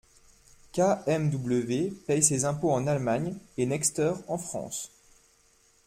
KMW paie ses impôts en Allemagne et Nexter en France.